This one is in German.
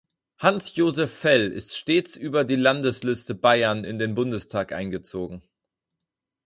Hans-Josef Fell ist stets über die Landesliste Bayern in den Bundestag eingezogen.